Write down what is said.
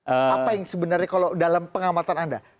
apa yang sebenarnya kalau dalam pengamatan anda